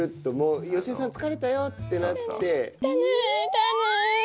芳根さん疲れたよってなって。